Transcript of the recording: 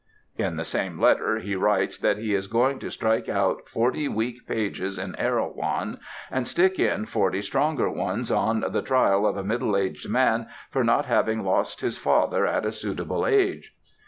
In the same letter he writes that he is going to strike out forty weak pages in "Erewhon" and stick in forty stronger ones on the "trial of a middle aged man 'for not having lost his father at a suitable age.'"